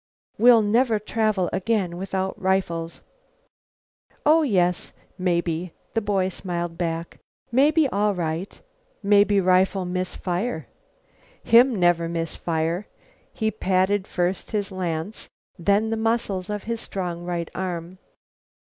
"We'll never travel again without rifles." "Oh! yes. Mebby," the boy smiled back. "Mebby all right. Mebby rifle miss fire. Him never miss fire." He patted first his lance, then the muscles of his strong right arm.